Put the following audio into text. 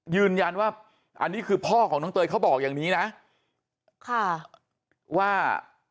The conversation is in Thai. ยืนยันว่าอันนี้คือพ่อของน้องเตยเขาบอกอย่างนี้นะค่ะว่า